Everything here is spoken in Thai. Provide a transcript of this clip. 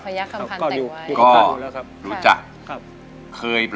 พี่ต้องรู้หรือยังว่าเพลงอะไร